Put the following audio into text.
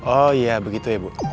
oh iya begitu ya bu